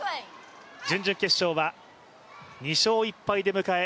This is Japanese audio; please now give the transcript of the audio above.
準々決勝は２勝１敗で迎え